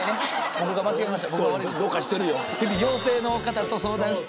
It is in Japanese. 僕が間違えました。